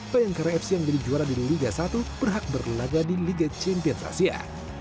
bayangkara fc yang menjadi juara di liga satu berhak berlaga di liga champions asia